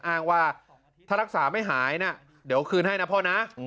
อ้างว่าถ้ารักษาไม่หายนะเดี๋ยวคืนให้นะพ่อนะ